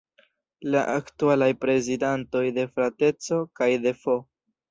La aktualaj prezidantoj de “Frateco” kaj de “F.